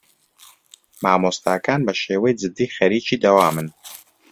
مامۆستاکان بەشێوەی جدی خەریکی دەوامن.